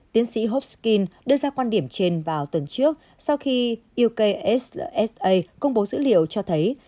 tiến sĩ hawking đưa ra quan điểm trên vào tuần trước sau khi ukssa công bố dữ liệu cho thấy